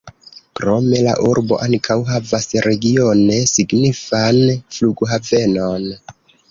Krome la urbo ankaŭ havas regione signifan flughavenon.